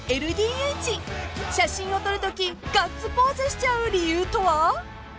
［写真を撮るときガッツポーズしちゃう理由とは？］